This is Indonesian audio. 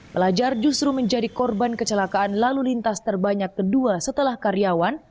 pelajar justru menjadi korban kecelakaan lalu lintas terbanyak kedua setelah karyawan